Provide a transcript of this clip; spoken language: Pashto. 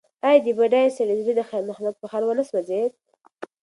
ایا د بډایه سړي زړه د خیر محمد په حال ونه سوځېد؟